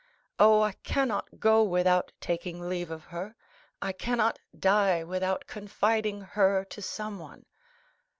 Oh, I cannot go without taking leave of her; I cannot die without confiding her to someone."